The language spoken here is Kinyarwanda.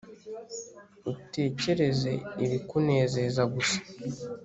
utekereze ibikunezeza gusa